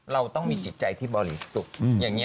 เราต้องมีจิตใจที่บริสุทธิ์